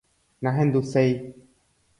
¡Nahenduséi!